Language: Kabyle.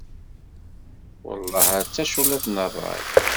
Wellah ar d taculliḍt n ṛṛay!